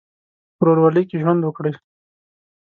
په ورورولۍ کې ژوند وکړئ.